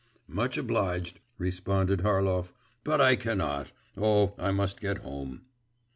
'Much obliged,' responded Harlov. 'But I cannot.… Oh! I must get home.